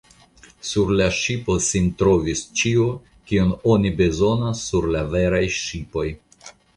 Sur la ŝipo sin trovis ĉio, kion oni bezonas sur la veraj ŝipoj.